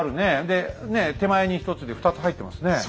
で手前に１つで２つ入ってますね。